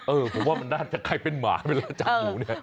เออผมว่ามันน่าจะกลายเป็นหมาเวลาจับหมูเนี่ย